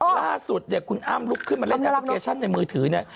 ล่าสุดเนี่ยคุณอ้ำลุกขึ้นมาเล่นแอปพลิเคชันในมือถือเนี่ย